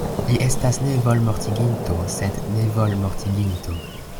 Li estas ne volmortiginto sed nevolmortiginto.